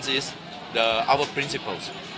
คุณคิดเรื่องนี้ได้ไหม